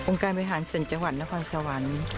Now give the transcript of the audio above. การบริหารส่วนจังหวัดนครสวรรค์